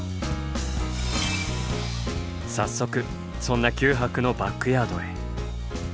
早速そんな九博のバックヤードへ。